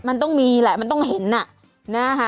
มันต้องมีแหละมันต้องเห็นอ่ะนะคะ